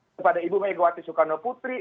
kepada ibu megawati soekarno putri